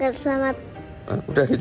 gak mau ngasih selamat